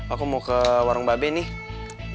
aku mau ke warung mbak benny